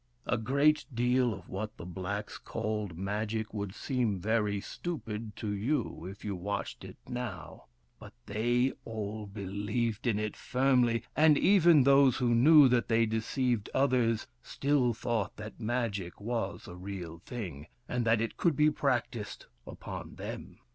A great deal of what the blacks called Magic would seem very stupid to you if you watched it now ; but they all believed in it firmly, and even those who knew that they deceived others still thought that Magic was a real thing, and that it could be practised upon them.